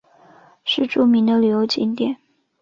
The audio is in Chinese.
是著名的旅游景点。